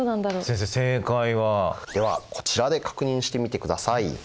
先生正解は？ではこちらで確認してみてください。